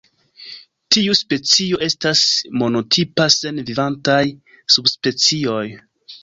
Tiu specio estas monotipa sen vivantaj subspecioj.